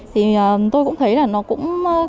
thì tôi cũng thấy là nó cũng